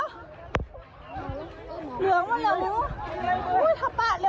มึงปรากฏหัวใจเร็ว